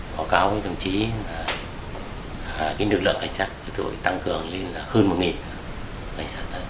báo cáo với đồng chí là cái nực lượng hành sát được tăng cường lên là hơn một nghìn